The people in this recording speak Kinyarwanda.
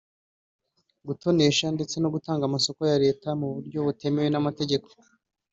gutonesha ndetse no gutanga amasoko ya Leta mu buryo butemewe n’amategeko